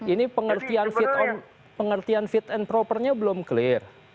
ini pengertian fit and propernya belum clear